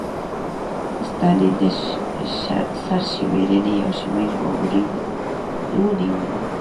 ستالین د سرشمېرنې یو شمېر مامورین ونیول